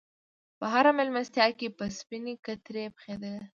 په هره میلمستیا کې به سپینې کترې پخېدلې.